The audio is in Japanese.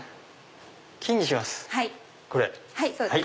金にします。